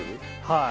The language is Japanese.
はい。